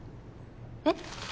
えっ？